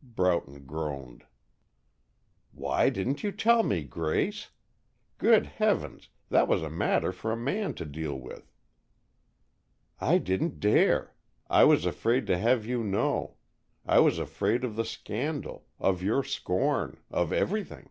Broughton groaned. "Why didn't you tell me, Grace? Good heavens, that was a matter for a man to deal with." "I didn't dare. I was afraid to have you know, I was afraid of the scandal, of your scorn, of everything.